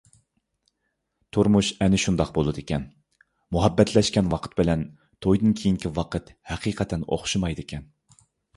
تۇرمۇش ئەنە شۇنداق بولىدىكەن، مۇھەببەتلەشكەن ۋاقىت بىلەن تويدىن كېيىنكى ۋاقىت ھەقىقەتەن ئوخشىمايدىكەن.